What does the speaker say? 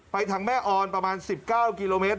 ทางแม่ออนประมาณ๑๙กิโลเมตร